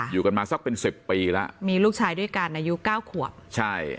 อยู่กันมาสักเป็นสิบปีแล้วมีลูกชายด้วยกันอายุเก้าขวบใช่